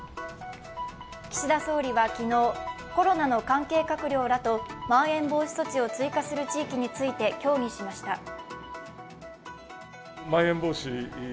岸田総理は昨日、コロナの関係閣僚らとまん延防止措置を追加する地域について協議しました。